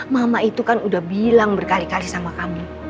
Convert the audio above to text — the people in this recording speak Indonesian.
mama itu kan udah bilang berkali kali sama kamu